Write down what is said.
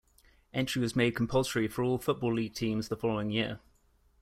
Entry was made compulsory for all Football League teams the following year.